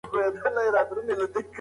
د خلکو په وړاندې.